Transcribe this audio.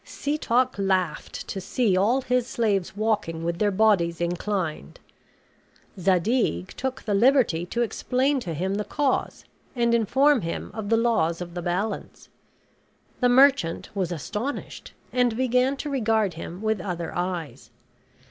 Setoc laughed to see all his slaves walking with their bodies inclined. Zadig took the liberty to explain to him the cause, and inform him of the laws of the balance. The merchant was astonished, and began to regard him with other eyes.